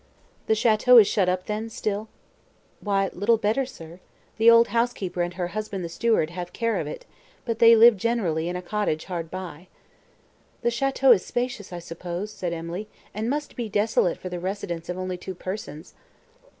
"The château is shut up then, still?" "Why, little better, sir; the old housekeeper, and her husband the steward, have the care of it, but they live generally in a cottage hard by." "The château is spacious, I suppose," said Emily, "and must be desolate for the residence of only two persons."